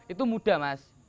itu mudah mas